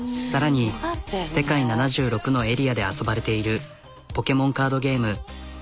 さらに世界７６のエリアで遊ばれているポケモンカードゲーム。